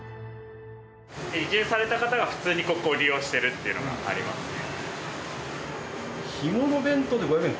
移住された方が普通にここを利用してるっていうのがありますね。